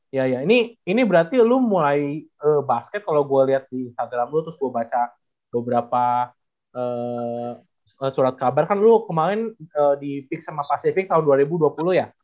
iya ya ini berarti lu mulai basket kalau gue lihat di instagram lu terus gue baca beberapa surat kabar kan lu kemarin di pix sama pacific tahun dua ribu dua puluh ya